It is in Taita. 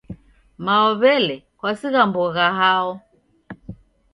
Mao w'ele kwasigha mbogha hao.